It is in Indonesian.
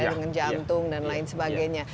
dengan jantung dan lain sebagainya